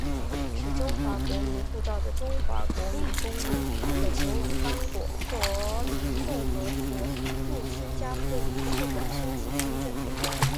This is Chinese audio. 持中华民国护照的中华民国公民可前往刚果民主共和国驻新加坡领事馆申请签证。